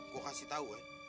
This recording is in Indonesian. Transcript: gue kasih tau ya